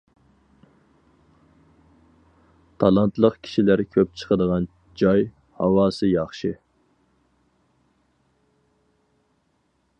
تالانتلىق كىشىلەر كۆپ چىقىدىغان جاي، ھاۋاسى ياخشى.